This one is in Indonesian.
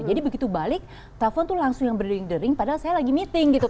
jadi begitu balik telepon tuh langsung yang berdering dering padahal saya lagi meeting gitu kan